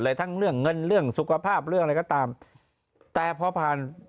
ทั้งเรื่องเงินเรื่องสุขภาพเรื่องอะไรก็ตามแต่พอผ่าน